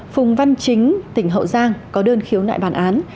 phùng văn chính tỉnh hậu giang có đơn khiếu nại bản án